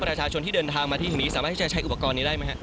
ประชาชนที่เดินทางมาที่ตรงนี้สามารถที่จะใช้อุปกรณ์นี้ได้ไหมครับ